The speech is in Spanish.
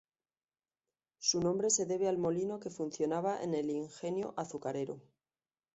Su nombre se debe al molino que funcionaba en el ingenio azucarero.